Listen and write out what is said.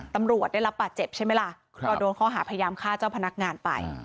ตำรวจได้รับบาดเจ็บใช่ไหมล่ะก็โดนข้อหาพยายามฆ่าเจ้าพนักงานไป